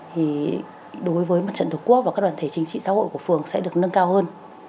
thì đối với mặt trận thuộc quốc và các đoàn thể chính trị xã hội của phường sẽ được nâng cao hơn